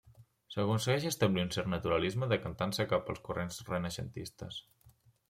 S'aconsegueix establir un cert naturalisme decantant-se cap als corrents renaixentistes.